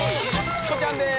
チコちゃんです